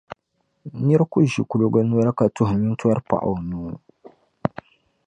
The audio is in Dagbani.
Nira ku ʒi kuliga noli ka tuhi nintɔri paɣ’ o nuu.